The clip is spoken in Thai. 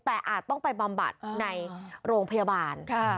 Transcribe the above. แต่อาจต้องไปบำบัดในโรงพยาบาล